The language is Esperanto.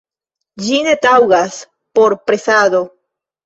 Ĝi ne taŭgas por presado.